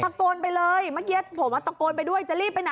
ประโกนไปเลยผมก็ตะโกนไปด้วยจะรีบไปไหน